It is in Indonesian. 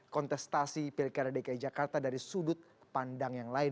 kontestasi pilkada dki jakarta dari sudut pandang yang lain